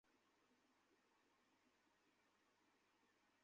গণ চেইন ছিনতাই ঘটনা চেক কর!